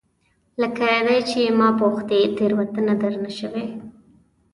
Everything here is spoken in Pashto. لکه دی چې ما پوښتي، تیروتنه درنه شوې؟